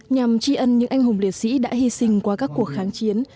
nhằm tri ân những anh hùng liệt sĩ đã hy sinh qua các cuộc kháng chiến